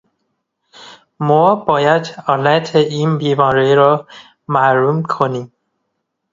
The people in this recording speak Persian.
ما باید علت این بیماری را معلوم کنیم.